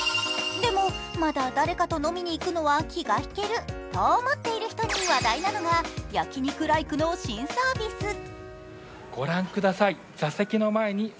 でも、まだ誰かと飲みに行くのは気が引けると思っている方に話題なのが、焼肉ライクの新サービス。